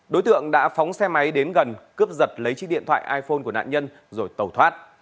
đối tượng đã phóng xe máy đến gần cướp giật lấy chiếc điện thoại iphone của nạn nhân rồi tẩu thoát